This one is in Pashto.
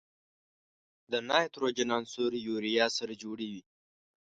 د نایتروجن عنصر یوریا سره جوړوي.